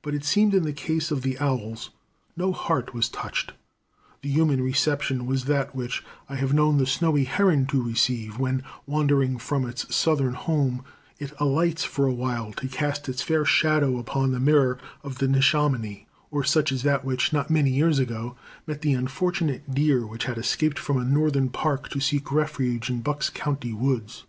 But it seemed, in the case of the owls, no heart was touched. The human reception was that which I have known the snowy heron to receive, when, wandering from its southern home, it alights for awhile to cast its fair shadow upon the mirror of the Neshaminy, or such as that which, not many years ago, met the unfortunate deer which had escaped from a northern park to seek refuge in Bucks County woods.